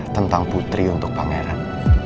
tentang putri untuk pangeran